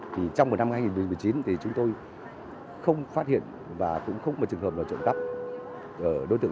trong năm hai nghìn một mươi chín chúng tôi không phát hiện và cũng không có trường hợp trộm cắp đối tượng